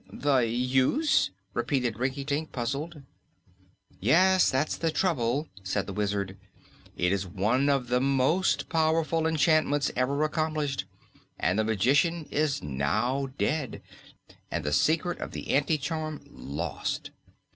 "The use?" repeated Rinkitink, puzzled. "Yes, that's the trouble," said the Wizard. "It is one of the most powerful enchantments ever accomplished, and the magician is now dead and the secret of the anti charm lost.